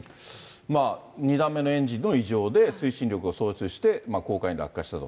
２段目のエンジンの異常で、推進力を喪失して、黄海に落下したと。